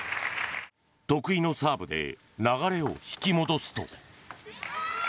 得意のサーブで流れを引き戻すと。